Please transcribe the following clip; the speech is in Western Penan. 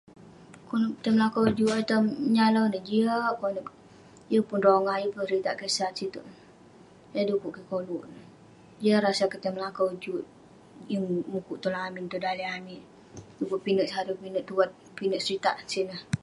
Konep tai melakau lak juk ayuk tai menyalau ineh, jiak konep..yeng pun rongah, yeng pun seritak kesat sitouk..yah dukuk kik koluk ineh..jiak rasa kik tai melakau juk, yeng mukuk tong lamin, tong daleh amik..dukuk pinek saru, pinek tuat, pinek seritak sineh..